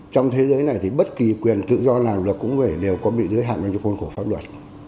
trong thế giới này thì bất kỳ quyền tự do nào là cũng phải đều có bị giới hạn cho khuôn khổ pháp luật